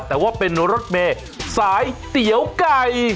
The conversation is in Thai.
แต่ว่าเป็นรถเมย์สายเตี๋ยวไก่